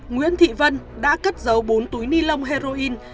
nguyễn thị vân đã cất giấu bốn túi ni lông heroin